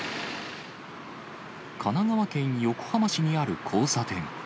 神奈川県横浜市にある交差点。